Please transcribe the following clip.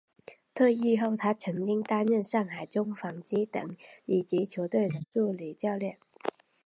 退役后他曾经担任上海中纺机等乙级球队的助理教练。